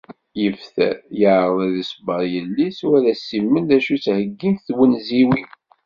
Yebter yeεreḍ ad iṣebber yell-is u ad s-imel acu i d-ttheyyint twenziwin.